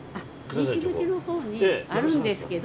西口にあるんですけど。